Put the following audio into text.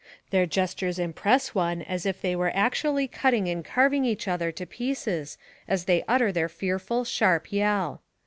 Their gestures impress one as if they were actually cutting and carving each other to pieces as they utter their fearful, sharp yell.